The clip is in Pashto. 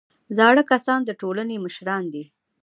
زاړه کسان د ټولنې مشران دي